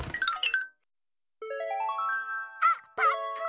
あっパックン！